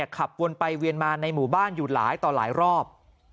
ขับวนไปเวียนมาในหมู่บ้านอยู่หลายต่อหลายรอบ